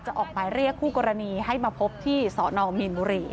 ออกหมายเรียกคู่กรณีให้มาพบที่สนมีนบุรี